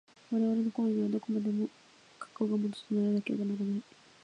我々の行為には、どこまでも過去が基とならなければならない。